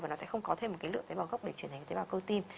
và nó sẽ không có thêm một cái lượng tế bào gốc để chuyển thành tế bào cơ tim